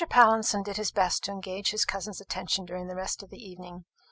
Pallinson did his best to engage his cousin's attention during the rest of the evening.